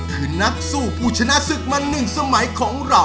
คือนักสู้ปู่ชนะสึกมาหนึ่งสมัยของเรา